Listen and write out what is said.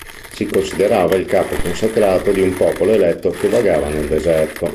Si considerava il capo consacrato di un popolo eletto che vagava nel deserto.